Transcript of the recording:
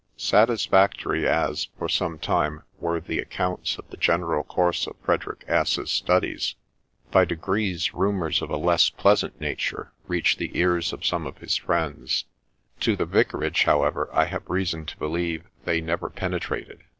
Satisfactory as, for some time, were the accounts of the general course of Frederick S 's studies, by degrees rumours of a less pleasant nature reached the ears of some of his friends ; to the vicarage, however, I have reason to believe they never pene trated.